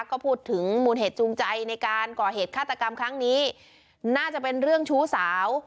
ก็พูดถึงมูลเหตุจูงใจในการก่อเหตุฆาตกรรมครั้งนี้น่าจะเป็นเรื่องชู้สาว